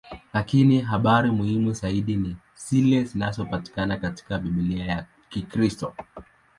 Lakini habari muhimu zaidi ni zile zinazopatikana katika Biblia ya Kikristo.